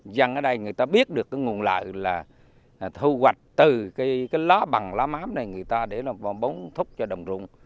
giang ở đây người ta biết được nguồn lợi là thu hoạch từ cái lá bằng lá mắm này người ta để nó bóng thúc cho đồng rụng